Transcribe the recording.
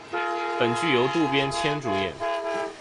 本剧由渡边谦主演。